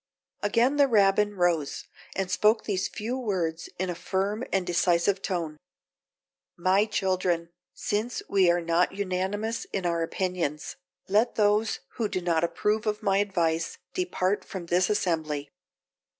Again the Rabbin rose, and spoke these few words in a firm and decisive tone: "My children! since we are not unanimous in our opinions, let those who do not approve of my advice depart from this assembly!"